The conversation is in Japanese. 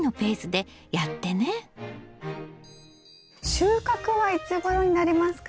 収穫はいつごろになりますか？